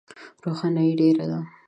روښنایي ډېره ده .